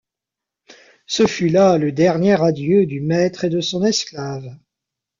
Ce fut là le dernier adieu du maître et de son esclave.